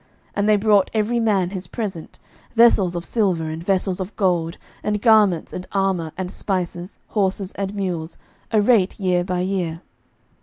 11:010:025 And they brought every man his present, vessels of silver, and vessels of gold, and garments, and armour, and spices, horses, and mules, a rate year by year.